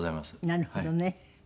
なるほどね。